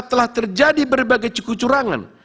telah terjadi berbagai cekucurangan